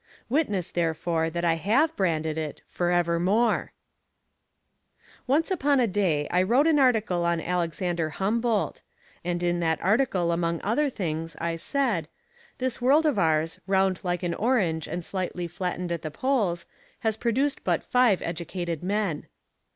Witness, therefore, that I have branded it, forevermore! Once upon a day I wrote an article on Alexander Humboldt. And in that article among other things I said, "This world of ours, round like an orange and slightly flattened at the Poles, has produced but five educated men."